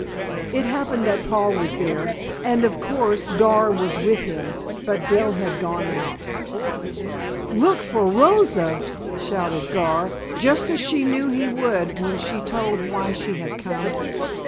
It happened that Paul was there, and, of course, Gar was with him; but Dell had gone out. "Look for Rosa!" shouted Gar, just as she knew he would when she told why she had come.